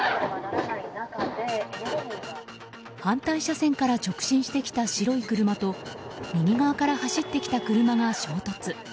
反対車線から直進してきた白い車と右側から走ってきた車が衝突。